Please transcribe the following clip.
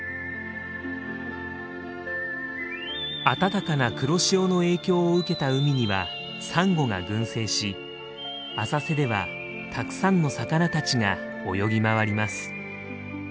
暖かな黒潮の影響を受けた海にはサンゴが群生し浅瀬ではたくさんの魚たちが泳ぎ回ります。